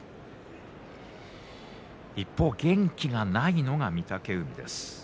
元気がないのが御嶽海です。